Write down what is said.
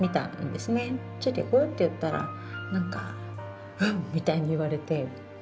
「ついていく？」って言ったら何か「うん！」みたいに言われて。